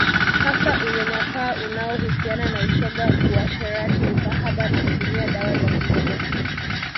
Hasa unyanyapaa unaohusiana na ushoga uasherati ukahaba na kutumia dawa za kulevya